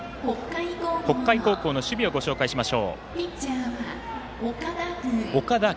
北海高校の守備をご紹介します。